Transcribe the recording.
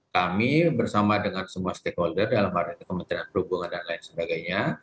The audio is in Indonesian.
kami bersama dengan semua stakeholder dalam hal ini kementerian perhubungan dan lain sebagainya